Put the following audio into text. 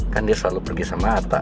kan dia selalu pergi sama ata